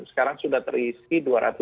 sekarang sudah terisi dua ratus empat puluh